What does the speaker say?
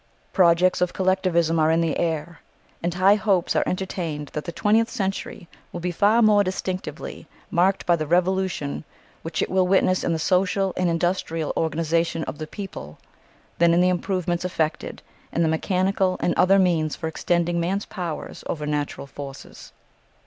Projects of collectivism are in the air, and high hopes are entertained that the twentieth century will be far more distinctively marked by the revolution which it will witness in the social and industrial organisation of the people than in the improvements effected in the mechanical and other means for extending man's powers over natural forces.